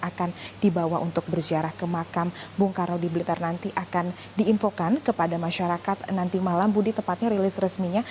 akan dibawa untuk berziarah ke makam bung karno di blitar nanti akan diinfokan kepada masyarakat nanti malam budi tepatnya rilis resminya